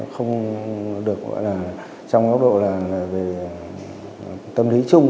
không được trong góc độ tâm lý chung